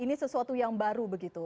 ini sesuatu yang baru begitu